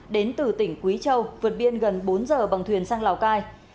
đến từ tỉnh quý châu vượt biên gần bốn giờ bằng thuyền sang lào cai